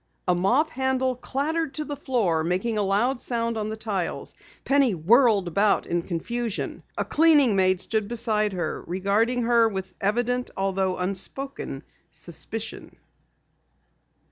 A mop handle clattered to the floor, making a loud sound on the tiles. Penny whirled about in confusion. A cleaning maid stood beside her, regarding her with evident though unspoken suspicion.